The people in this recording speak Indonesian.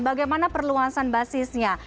bagaimana perluasan basisnya